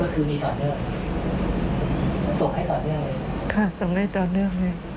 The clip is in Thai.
ก็คือมีต่อเนื้อ